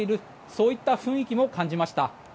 そういった雰囲気も感じました。